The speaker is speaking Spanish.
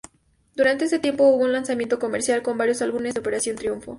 Durante este tiempo, hubo un lanzamiento comercial con varios álbumes de "Operación Triunfo".